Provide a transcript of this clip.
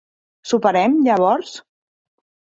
Soparem, llavors.